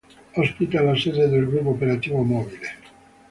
Ospita la sede del Gruppo operativo mobile.